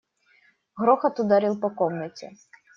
Грохот ударил по комнате.